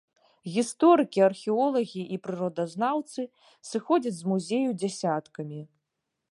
Гісторыкі, археолагі і прыродазнаўцы сыходзяць з музею дзясяткамі.